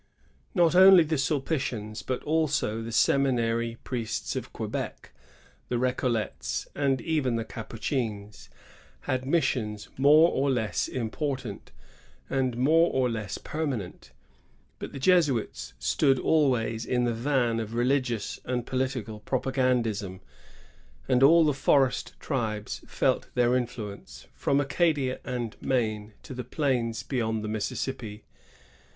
Not only the Sulpitians, but also the seminary priests of Quebec, the R^collets, and even the 1663 1702.] MICHILTMACKINAC. 119 Capuchins, had missions more or less important, and more or less permanent. But the Jesuits stood always in the van of religious and political propa gandism ; and all the forest tribes felt their influence, from Acadia and Maine to the plains beyond the Mississippi.